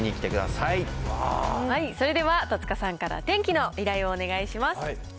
それでは、戸塚さんから天気の依頼をお願いします。